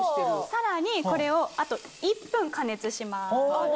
さらにこれをあと１分加熱します。